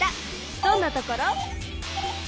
どんなところ？